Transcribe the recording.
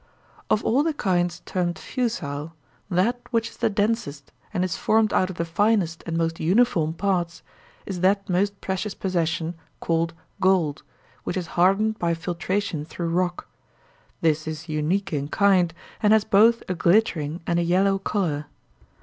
Of all the kinds termed fusile, that which is the densest and is formed out of the finest and most uniform parts is that most precious possession called gold, which is hardened by filtration through rock; this is unique in kind, and has both a glittering and a yellow colour.